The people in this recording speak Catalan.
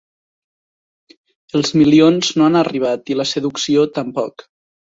Els milions no han arribat i la seducció, tampoc.